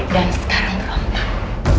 dan sekarang rompang